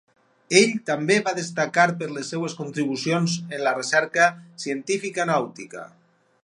Ell també va destacar per les seves contribucions en la recerca científica nàutica.